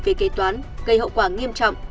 về kế toán gây hậu quả nghiêm trọng